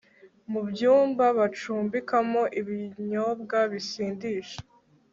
mu byumba bacumbikamo ibinyobwa bisindisha